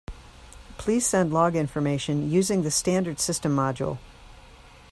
Please send log information using the standard system module.